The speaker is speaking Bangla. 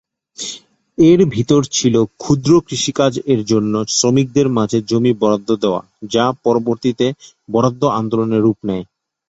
এর ভিতর ছিল "ক্ষুদ্র কৃষিকাজ"-এর জন্য শ্রমিকদের মাঝে জমি বরাদ্দ দেওয়া, যা পরবর্তীতে বরাদ্দ আন্দোলনে রূপ নেয়।